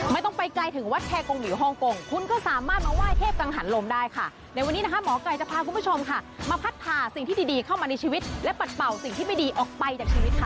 ไม่ต้องไปไกลถึงวัดแชร์กงหวิวฮ่องกงคุณก็สามารถมาไห้เทพกังหันลมได้ค่ะในวันนี้นะคะหมอไก่จะพาคุณผู้ชมค่ะมาพัดผ่าสิ่งที่ดีเข้ามาในชีวิตและปัดเป่าสิ่งที่ไม่ดีออกไปจากชีวิตค่ะ